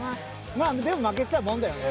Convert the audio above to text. まあでもまけてたもんだよね。